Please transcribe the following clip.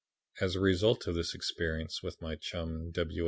As a result of this experience, with my chum, W.